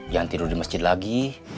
yang tidur di masjid lagi